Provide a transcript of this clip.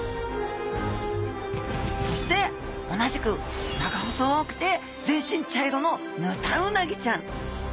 そして同じく長細くて全身茶色のヌタウナギちゃん！